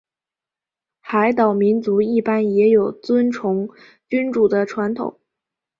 海岛民族一般也有尊崇君主的传统。